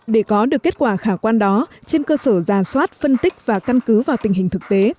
để có được kết quả khả quan đó trên cơ sở giả soát phân tích và căn cứ vào tình hình thực tế